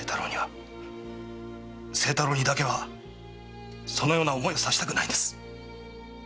清太郎にだけはそのような思いをさせたくないんです。